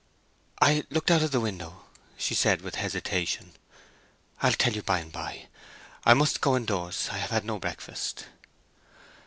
"I looked out of the window," she said, with hesitation. "I'll tell you by and by. I must go in doors. I have had no breakfast."